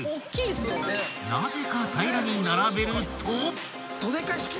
［なぜか平らに並べると］